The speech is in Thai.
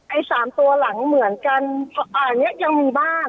ไอ้สามตัวหลังเหมือนกันอันนี้ยังมีบ้าน